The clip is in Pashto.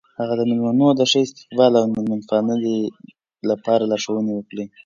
هغه د میلمنو د ښه استقبال او میلمه پالنې لپاره لارښوونې وکړې.